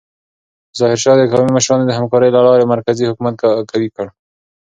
ظاهرشاه د قومي مشرانو د همکارۍ له لارې مرکزي حکومت قوي کړ.